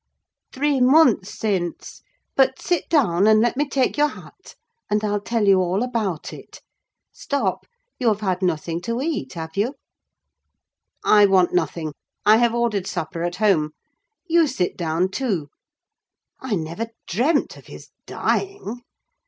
"Three months since: but sit down, and let me take your hat, and I'll tell you all about it. Stop, you have had nothing to eat, have you?" "I want nothing: I have ordered supper at home. You sit down too. I never dreamt of his dying!